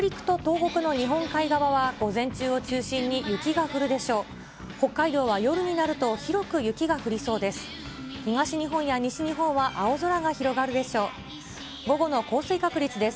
北海道は夜になると広く雪が降りそうです。